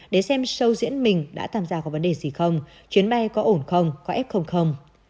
để xem show diễn mình đã tạm giả có vấn đề gì không chuyến bay có ổn không có ép không không